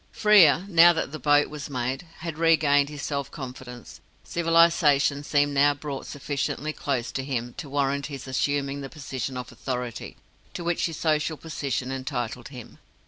Frere now that the boat was made had regained his self confidence. Civilization seemed now brought sufficiently close to him to warrant his assuming the position of authority to which his social position entitled him.